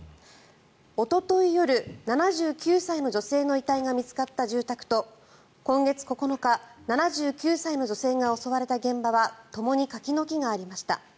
おととい夜、７９歳の女性の遺体が見つかった住宅と今月９日７９歳の女性が襲われた現場はともに柿の木がありました。